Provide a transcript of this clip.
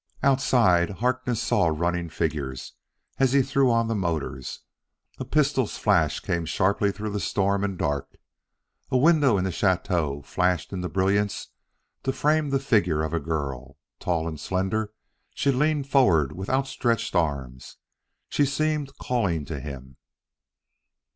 Outside Harkness saw running figures as he threw on the motors. A pistol's flash came sharply through the storm and dark. A window in the chateau flashed into brilliance to frame the figure of a girl. Tall and slender, she leaned forward with outstretched arms. She seemed calling to him.